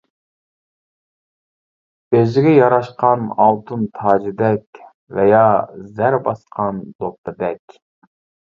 ئۆزىگە ياراشقان ئالتۇن تاجىدەك، ۋە يا زەر باسقان دوپپىدەك.